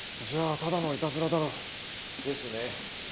じゃあただのいたずらだろう。ですね。